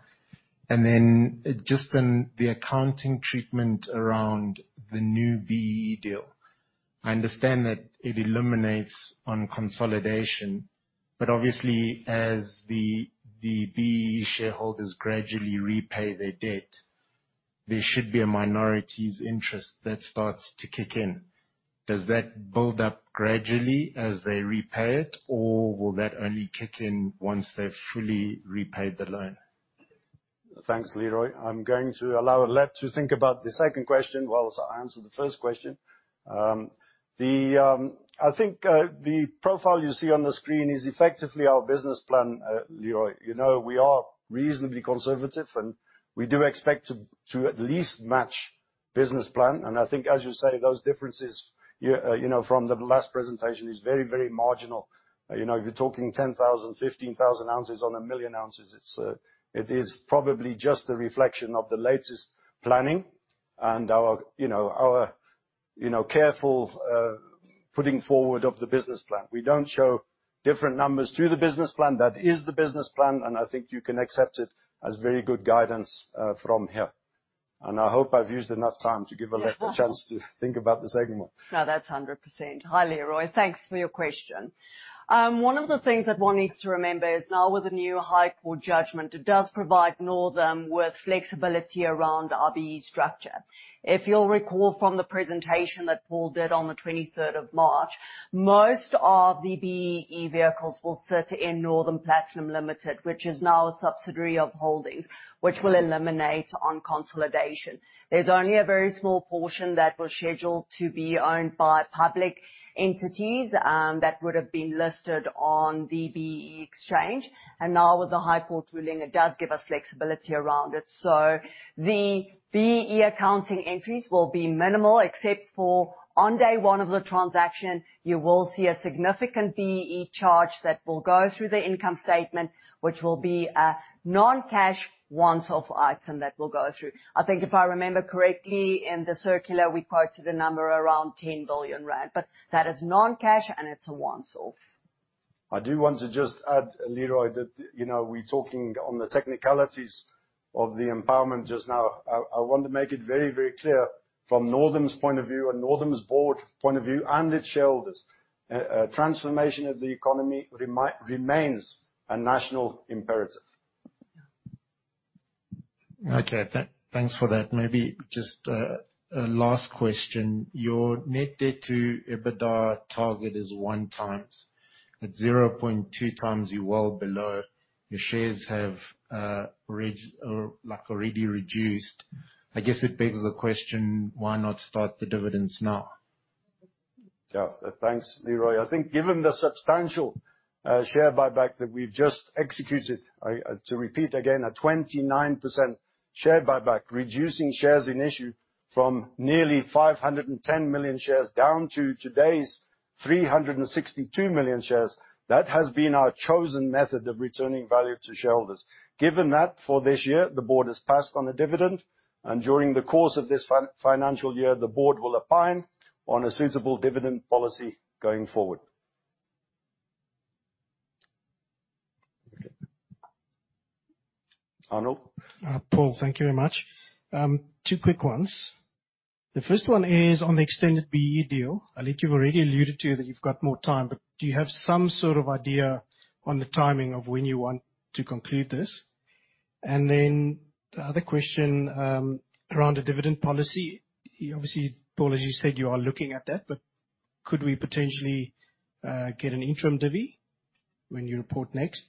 Speaker 3: Just on the accounting treatment around the new BEE deal. I understand that it eliminates on consolidation, obviously, as the BEE shareholders gradually repay their debt, there should be a minority's interest that starts to kick in. Does that build up gradually as they repay it, or will that only kick in once they've fully repaid the loan?
Speaker 1: Thanks, Leroy. I'm going to allow Alet to think about the second question whilst I answer the first question. I think the profile you see on the screen is effectively our business plan, Leroy. You know we are reasonably conservative, and we do expect to at least match business plan. I think, as you say, those differences from the last presentation is very marginal. If you're talking 10,000, 15,000 ounces on one million ounces, it is probably just a reflection of the latest planning and our careful putting forward of the business plan. We don't show different numbers to the business plan. That is the business plan, and I think you can accept it as very good guidance from here. I hope I've used enough time to give Alet a chance to think about the second one.
Speaker 2: No, that's 100%. Hi, Leroy. Thanks for your question. One of the things that one needs to remember is now with the new High Court judgment, it does provide Northam with flexibility around our BEE structure. If you'll recall from the presentation that Paul did on the March 23rd, most of the BEE vehicles will sit in Northam Platinum Limited, which is now a subsidiary of Holdings, which will eliminate on consolidation. There's only a very small portion that was scheduled to be owned by public entities, that would have been listed on the BEE exchange. Now with the High Court ruling, it does give us flexibility around it. The BEE accounting entries will be minimal, except for on day one of the transaction, you will see a significant BEE charge that will go through the income statement, which will be a non-cash, once-off item that will go through. I think if I remember correctly, in the circular, we quoted a number around 10 billion rand, but that is non-cash, and it is a once-off.
Speaker 1: I do want to just add, Leroy, that we're talking on the technicalities of the empowerment just now. I want to make it very clear from Northam's point of view and Northam's board point of view and its shareholders, transformation of the economy remains a national imperative.
Speaker 2: Yeah.
Speaker 3: Okay. Thanks for that. Maybe just a last question. Your net debt to EBITDA target is one times. At 0.2 times, you are well below. Your shares have already reduced. I guess it begs the question, why not start the dividends now?
Speaker 1: Yeah. Thanks, Leroy. I think given the substantial share buyback that we've just executed, to repeat again, a 29% share buyback, reducing shares in issue from nearly 510 million shares down to today's 362 million shares, that has been our chosen method of returning value to shareholders. Given that, for this year, the board has passed on the dividend, and during the course of this financial year, the board will opine on a suitable dividend policy going forward. Arnold?
Speaker 4: Paul, thank you very much. Two quick ones. The first one is on the extended BEE deal. Alet, you have already alluded to that you have got more time, but do you have some sort of idea on the timing of when you want to conclude this? The other question, around the dividend policy. Obviously, Paul, as you said, you are looking at that, but could we potentially get an interim divvy when you report next?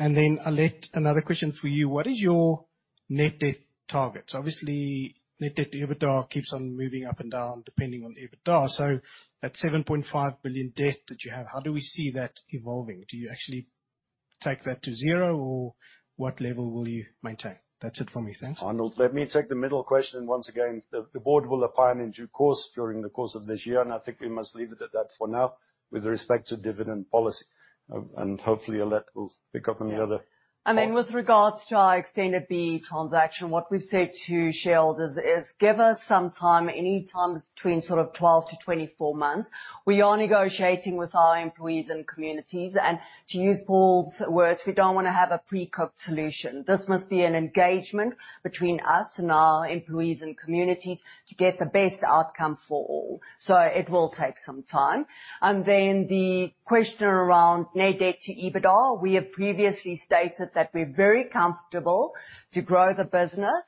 Speaker 4: Alet, another question for you. What is your Net debt targets. Obviously, net debt to EBITDA keeps on moving up and down depending on EBITDA. That 7.5 billion debt that you have, how do we see that evolving? Do you actually take that to zero, or what level will you maintain? That is it for me. Thanks.
Speaker 1: Arnold, let me take the middle question. Once again, the board will opine in due course during the course of this year, and I think we must leave it at that for now with respect to dividend policy. Hopefully, Alet will pick up on the other part.
Speaker 2: With regards to our extended BEE transaction, what we've said to shareholders is give us some time, any time between 12-24 months. We are negotiating with our employees and communities. To use Paul's words, we don't want to have a pre-cooked solution. This must be an engagement between us and our employees and communities to get the best outcome for all. It will take some time. The question around net debt to EBITDA, we have previously stated that we're very comfortable to grow the business,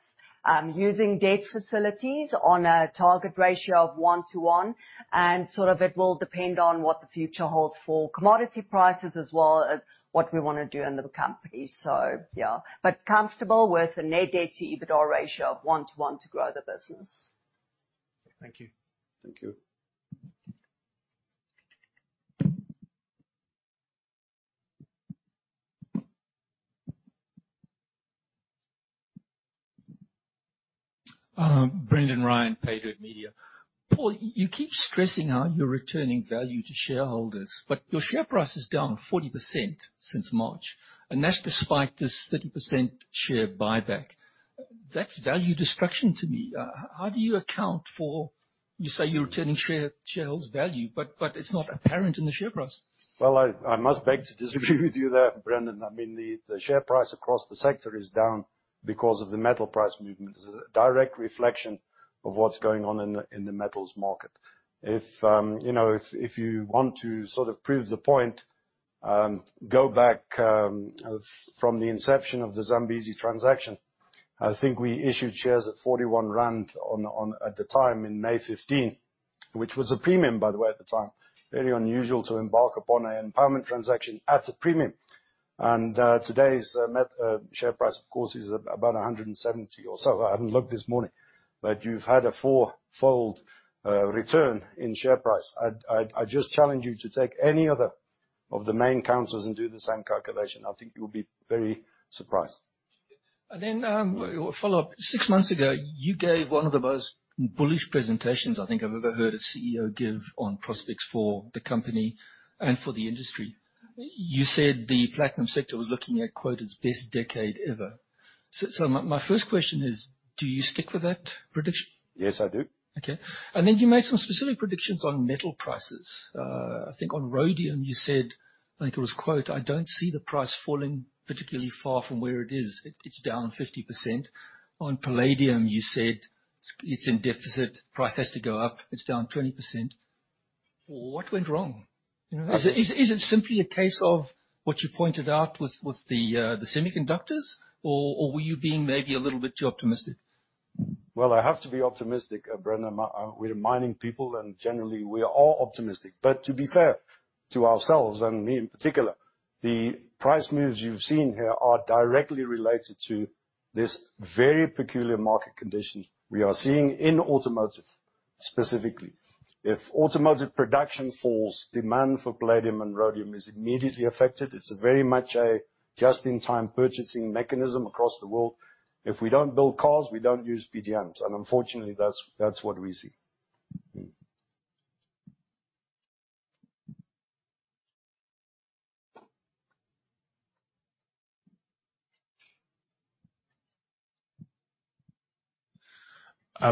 Speaker 2: using debt facilities on a target ratio of one to one, and it will depend on what the future holds for commodity prices as well as what we want to do in the company. Yeah. Comfortable with a net debt to EBITDA ratio of one to one to grow the business.
Speaker 4: Thank you.
Speaker 1: Thank you.
Speaker 5: Brendan Ryan, Paydirt Media. Paul, you keep stressing how you're returning value to shareholders. Your share price is down 40% since March. That's despite this 30% share buyback. That's value destruction to me. How do you account for, you say you're returning shareholders value. It's not apparent in the share price.
Speaker 1: Well, I must beg to disagree with you there, Brendan. I mean, the share price across the sector is down because of the metal price movement. This is a direct reflection of what's going on in the metals market. If you want to sort of prove the point, go back from the inception of the Zambezi transaction. I think we issued shares at 41 rand at the time in May 2015, which was a premium, by the way, at the time. Very unusual to embark upon an empowerment transaction at a premium. Today's share price, of course, is about 170 or so. I haven't looked this morning. You've had a four-fold return in share price. I just challenge you to take any other of the main councils and do the same calculation. I think you'll be very surprised.
Speaker 5: Follow-up. Six months ago, you gave one of the most bullish presentations I think I've ever heard a CEO give on prospects for the company and for the industry. You said the platinum sector was looking at, quote, "Its best decade ever." My first question is, do you stick with that prediction?
Speaker 1: Yes, I do.
Speaker 5: Okay. You made some specific predictions on metal prices. I think on rhodium you said, I think it was, quote, "I don't see the price falling particularly far from where it is." It's down 50%. On palladium, you said, "It's in deficit. Price has to go up." It's down 20%. What went wrong?
Speaker 1: I see.
Speaker 5: Is it simply a case of what you pointed out with the semiconductors, or were you being maybe a little bit too optimistic?
Speaker 1: Well, I have to be optimistic, Brendan. We're mining people, and generally, we are all optimistic. To be fair to ourselves, and me in particular, the price moves you've seen here are directly related to this very peculiar market condition we are seeing in automotive specifically. If automotive production falls, demand for palladium and rhodium is immediately affected. It's very much a just-in-time purchasing mechanism across the world. If we don't build cars, we don't use PGMs. Unfortunately, that's what we see.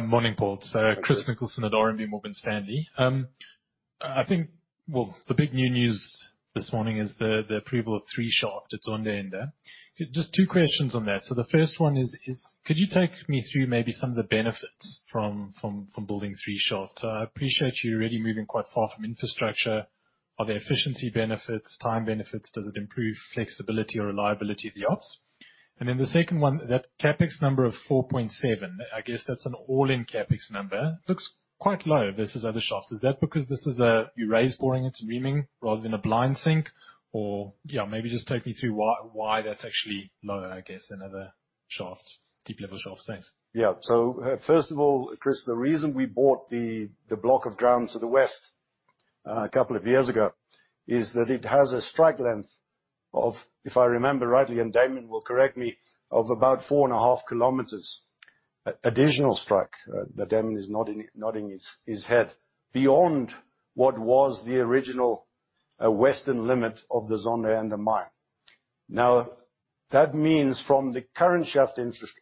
Speaker 6: Morning, Paul.
Speaker 1: Chris.
Speaker 6: Chris Nicholson at RMB Morgan Stanley. I think, well, the big new news this morning is the approval of Three Shaft at Zondereinde. Just two questions on that. The first one is, could you take me through maybe some of the benefits from building Three Shaft? I appreciate you're already moving quite far from infrastructure. Are there efficiency benefits, time benefits? Does it improve flexibility or reliability of the ops? The second one, that CapEx number of 4.7, I guess that's an all-in CapEx number, looks quite low versus other shafts. Is that because this is raise boring it and reaming rather than a blind sink? Yeah, maybe just take me through why that's actually lower, I guess, than other shafts, deep-level shafts. Thanks.
Speaker 1: Yeah. First of all, Chris, the reason we bought the block of ground to the west a couple of years ago is that it has a strike length of, if I remember rightly, and Damon will correct me, of about 4.5 kilometers additional strike. Damon is nodding his head. Beyond what was the original western limit of the Zondereinde mine. That means from the current shaft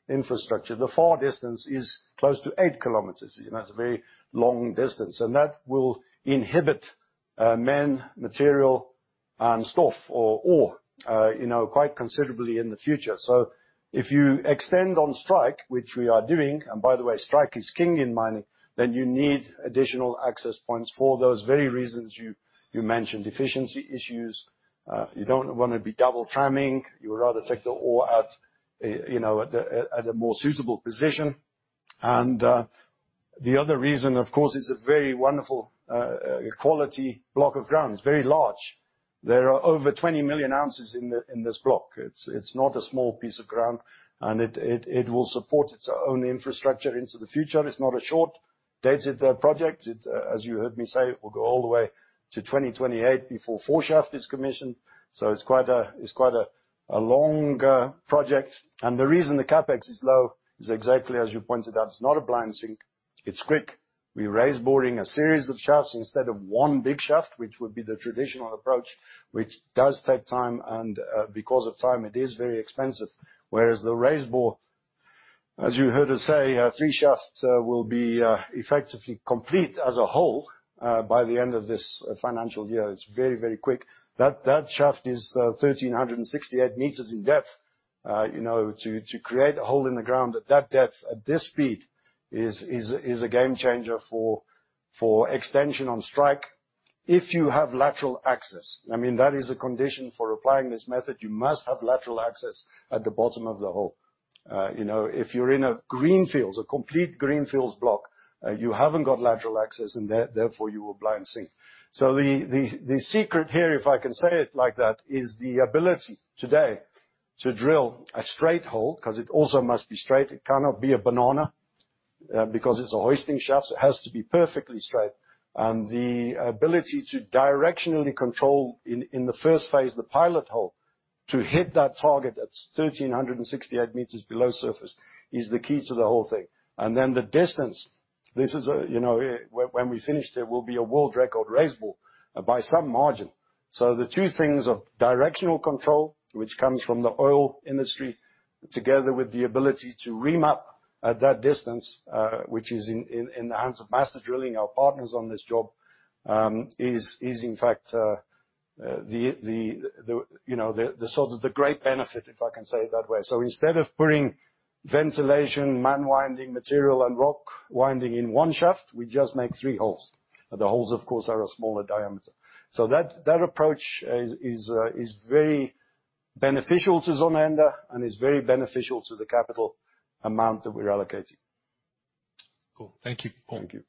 Speaker 1: infrastructure, the far distance is close to 8 kilometers. That's a very long distance, that will inhibit men, material and stuff or ore quite considerably in the future. If you extend on strike, which we are doing, and by the way, strike is king in mining, then you need additional access points for those very reasons you mentioned. Efficiency issues, you don't wanna be double tramming. You would rather take the ore at a more suitable position. The other reason, of course, it's a very wonderful quality block of ground. It's very large. There are over 20 million ounces in this block. It's not a small piece of ground, and it will support its own infrastructure into the future. It's not a short-dated project. As you heard me say, it will go all the way to 2028 before Number Four Shaft is commissioned, so it's quite a long project. The reason the CapEx is low is exactly as you pointed out. It's not a blind sink. It's quick. We raise boring a series of shafts instead of one big shaft, which would be the traditional approach, which does take time, and because of time it is very expensive. The raise bore, as you heard us say, Number Three Shaft will be effectively complete as a whole, by the end of this financial year. It's very quick. That shaft is 1,368 meters in depth. To create a hole in the ground at that depth, at this speed is a game changer for extension on strike. If you have lateral access, that is a condition for applying this method. You must have lateral access at the bottom of the hole. If you're in a complete greenfields block, you haven't got lateral access therefore you will blind sink. The secret here, if I can say it like that, is the ability today to drill a straight hole, because it also must be straight. It cannot be a banana. It's a hoisting shaft, it has to be perfectly straight. The ability to directionally control in the first phase, the pilot hole, to hit that target that's 1368 meters below surface is the key to the whole thing. The distance. When we finish there will be a world record raise bore by some margin. The two things are directional control, which comes from the oil industry, together with the ability to ream up at that distance, which is in the hands of Master Drilling, our partners on this job, is in fact the great benefit, if I can say it that way. Instead of putting ventilation, man winding material, and rock winding in one shaft, we just make three holes. The holes, of course, are a smaller diameter. That approach is very beneficial to Zondereinde and is very beneficial to the capital amount that we're allocating.
Speaker 6: Cool. Thank you, Paul.
Speaker 1: Thank you.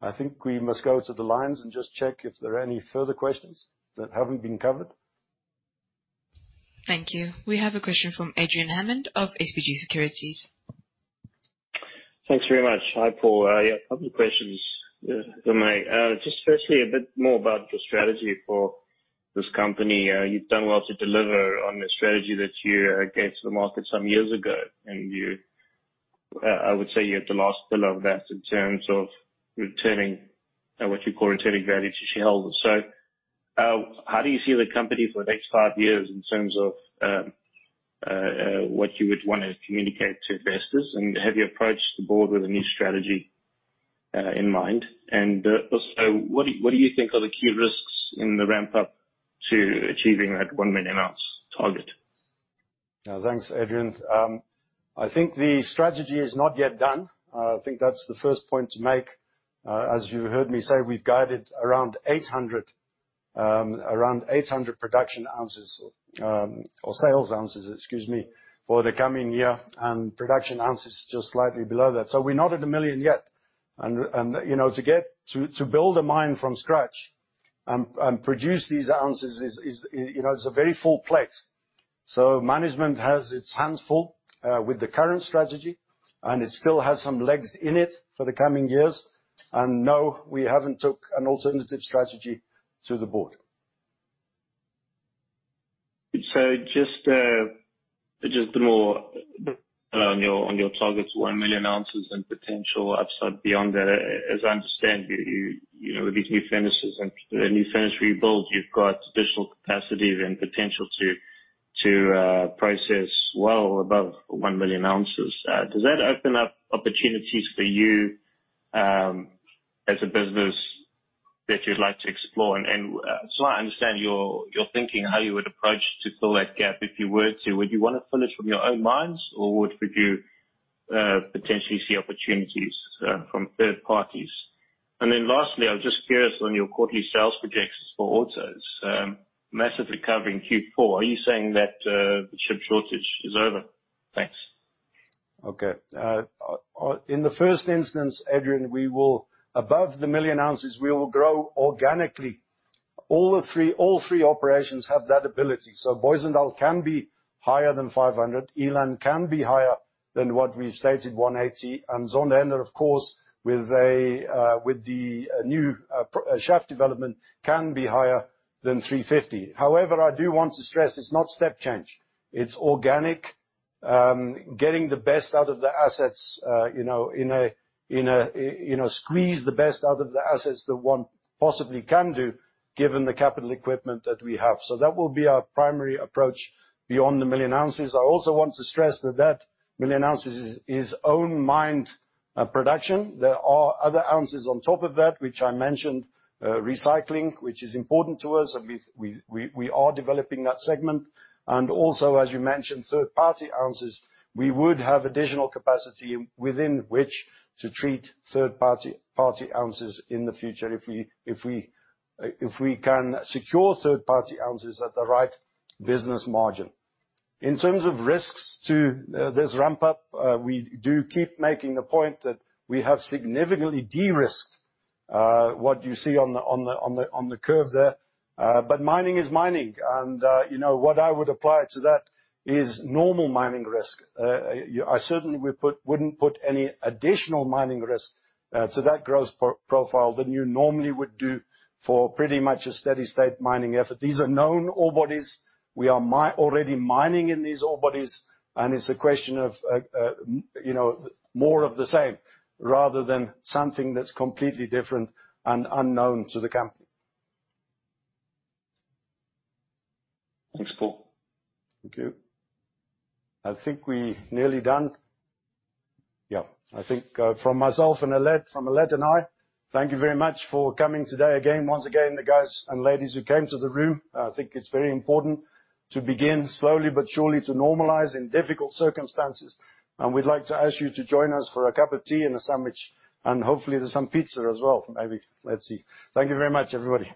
Speaker 1: I think we must go to the lines and just check if there are any further questions that haven't been covered.
Speaker 7: Thank you. We have a question from Adrian Hammond of SBG Securities.
Speaker 8: Thanks very much. Hi, Paul. A couple questions for me. Firstly, a bit more about the strategy for this company. You've done well to deliver on the strategy that you gave to the market some years ago, I would say you hit the last pillar of that in terms of what you call returning value to shareholders. How do you see the company for the next five years in terms of what you would want to communicate to investors? Have you approached the board with a new strategy in mind? Also, what do you think are the key risks in the ramp up to achieving that 1 million ounce target?
Speaker 1: Thanks, Adrian. I think the strategy is not yet done. I think that's the first point to make. As you heard me say, we've guided around 800 production ounces or sales ounces, excuse me, for the coming year, and production ounces just slightly below that. We're not at a million yet. To build a mine from scratch and produce these ounces is a very full plate. Management has its hands full with the current strategy, and it still has some legs in it for the coming years. No, we haven't took an alternative strategy to the board.
Speaker 8: Just a bit more on your targets, one million ounces and potential upside beyond that. As I understand, with these new furnaces and the new furnace rebuild, you've got additional capacity and potential to process well above one million ounces. Does that open up opportunities for you as a business that you'd like to explore? I understand your thinking how you would approach to fill that gap if you were to. Would you want to fill it from your own mines or would you potentially see opportunities from third parties? Lastly, I'm just curious on your quarterly sales projections for autos, massive recovery in Q4. Are you saying that the chip shortage is over? Thanks.
Speaker 1: In the first instance, Adrian, above the one million ounces, we will grow organically. All three operations have that ability. Booysendal can be higher than 500, Eland can be higher than what we've stated, 180, and Zondereinde of course, with the new shaft development can be higher than 350. I do want to stress it's not step change. It's organic. Getting the best out of the assets, squeeze the best out of the assets that one possibly can do given the capital equipment that we have. That will be our primary approach beyond the one million ounces. I also want to stress that that one million ounces is own mined production. There are other ounces on top of that, which I mentioned, recycling, which is important to us and we are developing that segment. Also, as you mentioned, third party ounces, we would have additional capacity within which to treat third party ounces in the future if we can secure third party ounces at the right business margin. In terms of risks to this ramp up, we do keep making the point that we have significantly de-risked what you see on the curve there. Mining is mining and what I would apply to that is normal mining risk. I certainly wouldn't put any additional mining risk to that growth profile than you normally would do for pretty much a steady state mining effort. These are known ore bodies. We are already mining in these ore bodies, and it's a question of more of the same rather than something that's completely different and unknown to the company.
Speaker 8: Thanks, Paul.
Speaker 1: Thank you. I think we're nearly done. Yeah. I think from Alet and I, thank you very much for coming today. Once again, the guys and ladies who came to the room, I think it's very important to begin slowly but surely to normalize in difficult circumstances. We'd like to ask you to join us for a cup of tea and a sandwich, and hopefully there's some pizza as well. Maybe. Let's see. Thank you very much, everybody.